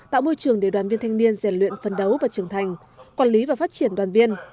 tạo môi trường để đoàn viên thanh niên rèn luyện phân đấu và trưởng thành quản lý và phát triển đoàn viên